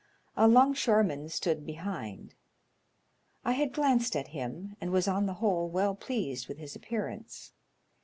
A 'longshoreman stood behind. I had glanced at him, and was on the whole well pleased with his appearance.